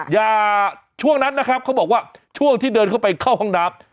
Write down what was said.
ให้ช่วงนั้นนะครับช่วงที่เดินเข้าไปเข้าห้องหนัก